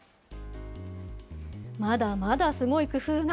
まだまだすごい工夫が。